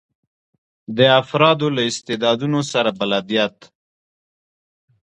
د افرادو له استعدادونو سره بلدیت.